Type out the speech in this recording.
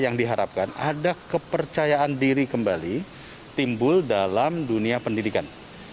yang diharapkan ada kepercayaan diri kembali timbul dalam dunia pendidikan